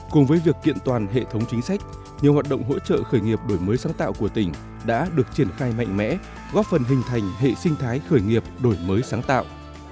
cùng với việc kiện toàn hệ thống chính sách nhiều hoạt động hỗ trợ khởi nghiệp đổi mới sáng tạo của tỉnh đã được triển khai mạnh mẽ góp phần hình thành hệ sinh thái khởi nghiệp đổi mới sáng tạo